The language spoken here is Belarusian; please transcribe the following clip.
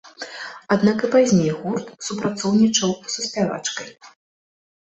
Аднак і пазней гурт супрацоўнічаў са спявачкай.